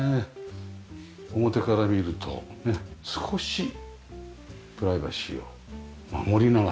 表から見ると少しプライバシーを守りながら。